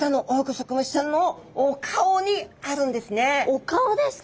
お顔ですか？